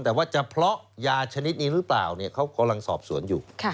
แต่ว่าจะเพราะยาชนิดนี้หรือเปล่าเขากำลังสอบสวนอยู่